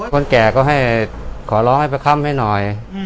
คนแก่ก็ให้ขอร้องให้ไปค่ำให้หน่อย